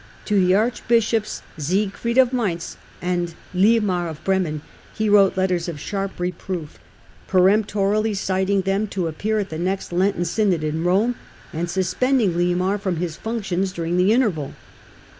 To the archbishops Siegfried of Mainz and liemar of Bremen he wrote letters of sharp reproof, peremptorily citing them to appear at the next Lenten synod in Rome, and suspending Liemar from his func tions during the interval.